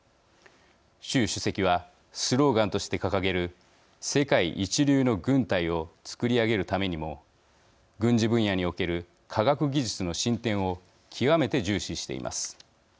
習主席はスローガンとして掲げる世界一流の軍隊を作り上げるためにも軍事分野における科学技術の進展を極めて重視しています。